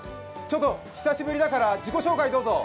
久しぶりだから自己紹介どうぞ。